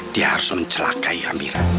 dia harus mencelakai amira